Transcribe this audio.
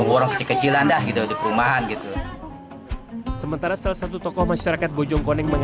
orang kecil kecil anda hidup perumahan gitu sementara salah satu tokoh masyarakat bojongkoneng